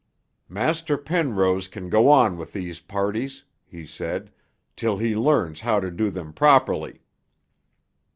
'Master Penrose can go on with these parties,' he said, 'till he learns how to do them properly.'